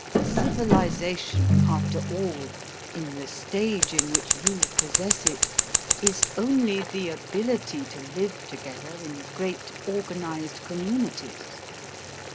Civilisation, after all, in the stage in which you possess it, is only the ability to live together in great organised communities.